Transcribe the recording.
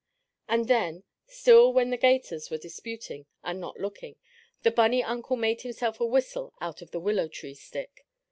And then, still when the 'gators were disputing, and not looking, the bunny uncle made himself a whistle out of the willow tree stick.